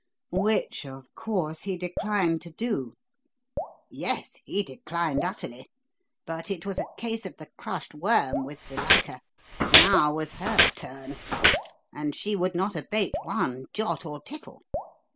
"Which, of course, he declined to do?" "Yes. He declined utterly. But it was a case of the crushed worm, with Zuilika. Now was her turn; and she would not abate one jot or tittle.